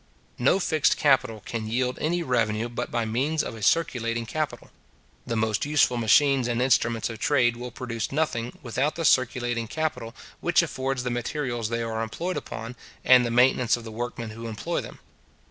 No fixed capital can yield any revenue but by means of a circulating capital. The most useful machines and instruments of trade will produce nothing, without the circulating capital, which affords the materials they are employed upon, and the maintenance of the workmen who employ them.